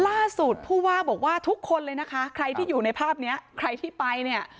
ผู้ว่าบอกว่าทุกคนเลยนะคะใครที่อยู่ในภาพเนี้ยใครที่ไปเนี่ย